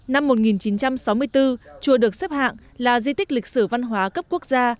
năm một nghìn chín trăm sáu mươi bốn chùa được xếp hạng là di tích lịch sử văn hóa cấp quốc gia